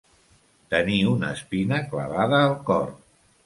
Tenir una espina clavada al cor.